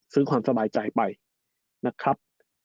ความสบายใจไปนะครับ